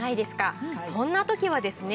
そんな時はですね